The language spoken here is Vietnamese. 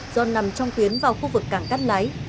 do nằm trong tuyến vào khu vực cảng cắt lái